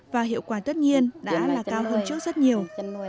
và hiệu quả tất nhiên đã là cao hơn trước rất nhiều